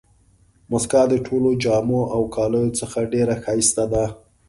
مسکا د ټولو جامو او کالیو څخه ډېره ښایسته ده.